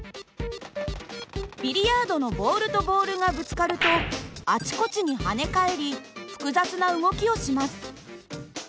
ビリヤードのボールとボールがぶつかるとあちこちに跳ね返り複雑な動きをします。